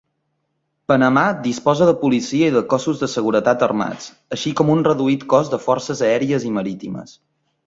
Panamà disposa de policia i de cossos de seguretat armats, així com un reduït cos de forces aèries i marítimes.